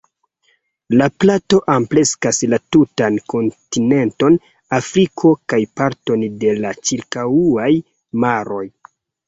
La plato ampleksas la tutan kontinenton Afriko kaj parton de la ĉirkaŭaj maroj.